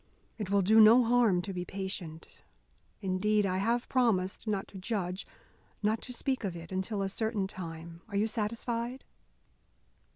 It will do no harm to be patient. Indeed, I have promised not to judge, not to speak of it, until a certain time. Are you satisfied?"